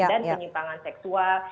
dan penyimpangan seksual